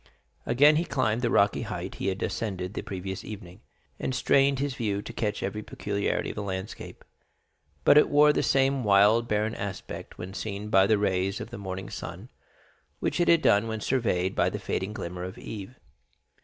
Again he climbed the rocky height he had ascended the previous evening, and strained his view to catch every peculiarity of the landscape; but it wore the same wild, barren aspect when seen by the rays of the morning sun which it had done when surveyed by the fading glimmer of eve.